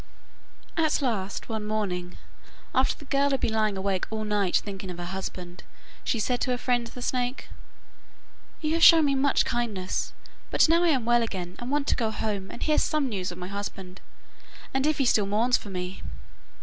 At last one morning, after the girl had been lying awake all night thinking of her husband, she said to her friend the snake: 'You have all shown me much kindness, but now I am well again, and want to go home and hear some news of my husband, and if he still mourns for me!